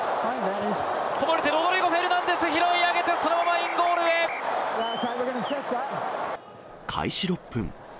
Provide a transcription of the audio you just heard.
こぼれてロドリゴ・フェルナンデス、拾い上げてそのままインゴー開始６分。